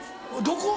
どこ？